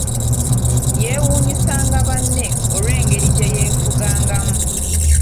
Yeewuunyisanga banne olw'engeri gye yeefugangamu.